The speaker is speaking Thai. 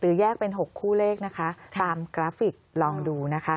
แยกเป็น๖คู่เลขนะคะตามกราฟิกลองดูนะคะ